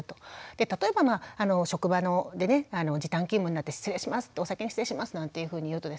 例えば職場でね時短勤務になって「お先に失礼します」なんていうふうに言うとですね